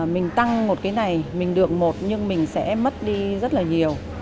mình tăng một cái này mình được một nhưng mình sẽ mất đi rất là nhiều